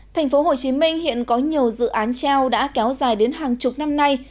thành phố hồ chí minh hiện có nhiều dự án treo đã kéo dài đến hàng chục năm nay